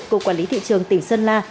cục quản lý thị trường tỉnh sơn la